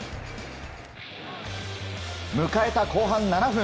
迎えた後半７分。